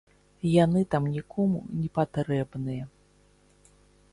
Яны там нікому не патрэбныя.